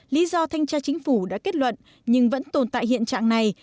lý do thanh tra chính phủ đã kết luận nhưng vẫn tồn tại hiện trạng này